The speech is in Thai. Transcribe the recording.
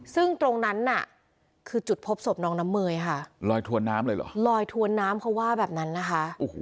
ซึ่งตรงนั้นน่ะคือจุดพบศพน้องน้ำเมยค่ะลอยถวนน้ำเลยเหรอลอยถวนน้ำเขาว่าแบบนั้นนะคะ